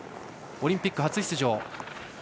オリンピック初出場。